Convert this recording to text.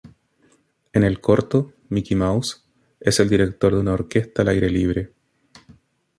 En el corto Mickey Mouse es el director de una orquesta al aire libre.